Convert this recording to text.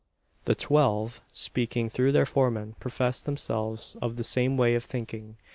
The "twelve," speaking through their foreman, profess themselves of the same way of thinking.